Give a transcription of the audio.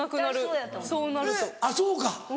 えっあっそうか。